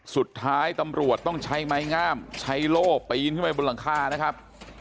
สุดท้ายตำรวจต้องใช้ไม้งามใช้โล่ปีนขึ้นไปบนหลังคานะครับ